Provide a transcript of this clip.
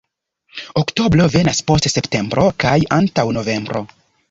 Oktobro venas post septembro kaj antaŭ novembro.